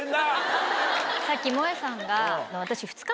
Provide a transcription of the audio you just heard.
さっきもえさんが私。